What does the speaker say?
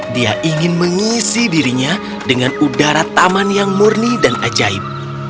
dia ingin mengisi dirinya dengan udara taman yang murni dan ajaib